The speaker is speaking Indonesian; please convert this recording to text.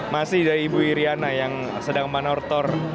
masih dari ibu iryana yang sedang manortor